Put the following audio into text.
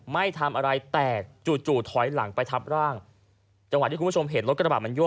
ไม่ทำอะไรแตกจู่จู่ถอยหลังไปทับร่างจังหวะที่คุณผู้ชมเห็นรถกระบาดมันยั่